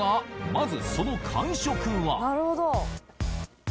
まずその感触は？